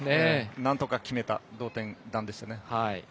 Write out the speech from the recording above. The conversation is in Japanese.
なんとか決めた同点ですね。